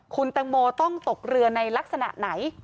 คุณตังโมต้องตกเรือในลักษณะไหน